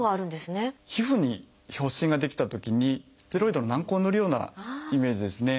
皮膚に発疹が出来たときにステロイドの軟膏を塗るようなイメージですね。